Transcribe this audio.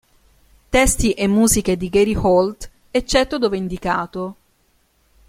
Testi e musiche di Gary Holt, eccetto dove indicato.